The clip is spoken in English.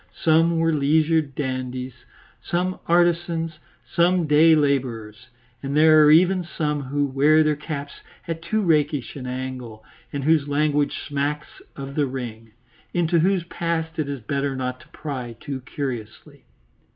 Some were leisured dandies, some artisans, some day labourers, and there are even some who wear their caps at too rakish an angle and whose language smacks of the ring, into whose past it is better not to pry too curiously.